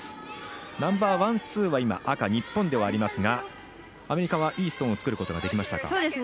ナンバーワン、ツーは赤、日本ではありますがアメリカはいいストーンを作ることができましたか。